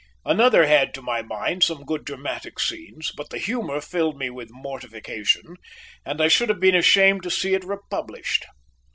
Another had to my mind some good dramatic scenes, but the humour filled me with mortification, and I should have been ashamed to see it republished.